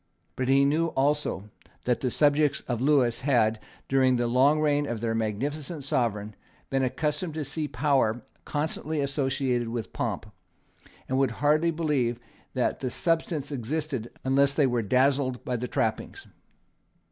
But he knew also that the subjects of Lewis had, during the long reign of their magnificent sovereign, been accustomed to see power constantly associated with pomp, and would hardly believe that the substance existed unless they were dazzled by the trappings.